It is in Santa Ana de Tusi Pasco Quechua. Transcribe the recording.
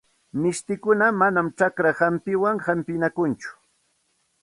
Mishtikuna manam chakra hampiwan hampinakunchu.